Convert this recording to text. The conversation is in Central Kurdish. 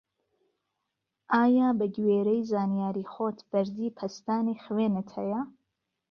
ئایا بە گوێرەی زانیاری خۆت بەرزی پەستانی خوێنت هەیە؟